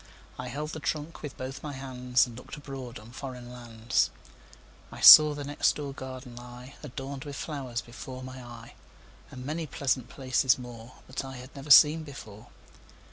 I held the trunk with both my handsAnd looked abroad on foreign lands.I saw the next door garden lie, Adorned with flowers, before my eye, And many pleasant places moreThat I had never seen before.